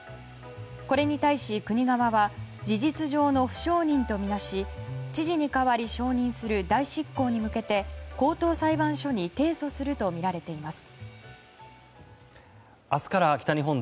これに対し国側は事実上の不承認とみなし知事に代わり承認する代執行に向けて高等裁判所に提訴するとみられています。